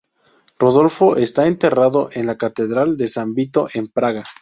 Rodolfo está enterrado en la catedral de San Vito en Praga.